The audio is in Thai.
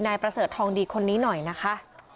นายประเสริฐทองดีคนนี้หน่อยนะคะ